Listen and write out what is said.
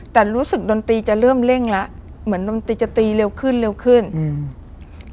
แต่รู้สึกดนตรีจะเริ่มเร่งแล้วเหมือนดนตรีจะตีเร็วขึ้นเร็วขึ้นอืม